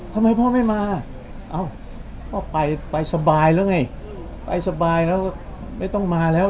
ทำไมพ่อไม่มาเอ้าพ่อไปไปสบายแล้วไงไปสบายแล้วไม่ต้องมาแล้ว